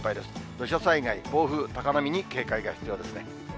土砂災害、暴風、高波に警戒が必要ですね。